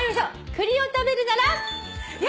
「栗を食べるなら？」や！